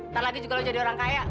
ntar lagi juga lo jadi orang kaya